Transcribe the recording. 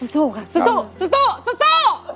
สู้ค่ะสู้สู้